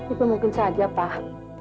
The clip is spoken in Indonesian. itu mungkin saja pak